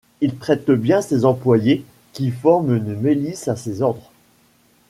Il traite bien ses employés, qui forment une milice à ses ordres.